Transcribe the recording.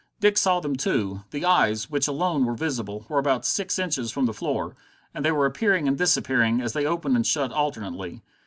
Dick saw them too. The eyes, which alone were visible, were about six inches from the floor, and they were appearing and disappearing, as they opened and shut alternately.